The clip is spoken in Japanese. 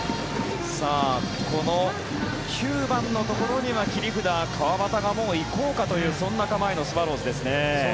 この９番のところには切り札、川端がもう行こうかというそんな構えのスワローズですね。